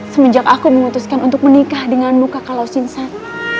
semenjak aku memutuskan untuk menikah denganmu kakak lawsinsan